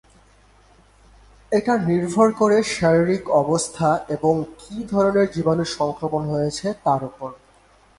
এটা নির্ভর করে শারীরিক অবস্থা এবং কি ধরনের জীবাণুর সংক্রমণ হয়েছে তার উপর।